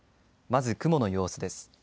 まず雲の様子です。